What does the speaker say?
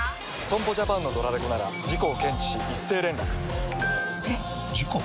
損保ジャパンのドラレコなら事故を検知し一斉連絡ピコンえっ？！事故？！